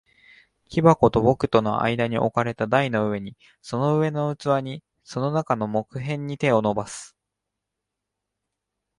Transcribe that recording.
木箱と僕との間に置かれた台の上に、その上の器に、その中の木片に、手を伸ばす。